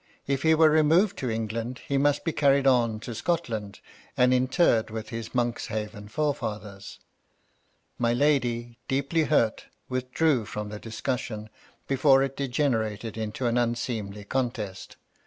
If he were removed to England, he must be carried on to MY LADY LUDLOW. 267 Scotland, and interred with his Monkshaven forefathers. My lady, deeply hurt, withdrew from the discussion before it degenerated to an unseemly contest.